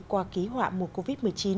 qua ký họa mùa covid một mươi chín